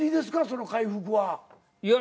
その回復は。いや。